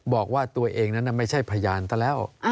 บอกว่าตัวเองนั้นไม่ใช่พยานซะแล้ว